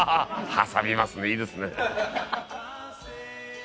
挟みますねいいですね。